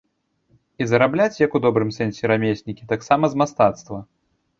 І зарабляць, як у добрым сэнсе рамеснікі, таксама з мастацтва.